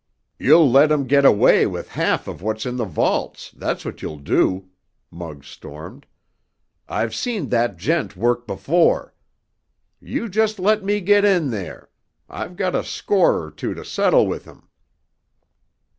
"You'll let him get away with half of what's in the vaults, that's what you'll do!" Muggs stormed. "I've seen that gent work before. You just let me get in there! I've got a score or two to settle with him!"